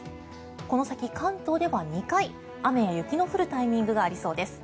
この先、関東では２回雨や雪の降るタイミングがありそうです。